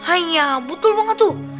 iya betul banget tuh